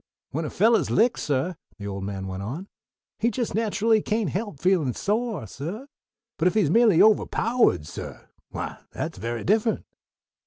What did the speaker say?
"When a fellah's licked, suh," the old man went on, "he just natcherly kain't help feelin' sore, suh; but if he's merely ovahpowahed, suh why that's very different."